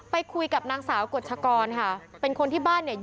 ไปคุยกับนางสาวกฎชกรค่ะเป็นคนที่บ้านเนี่ย